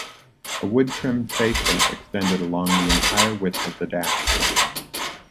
A wood-trimmed fascia extended along the entire width of the dashboard.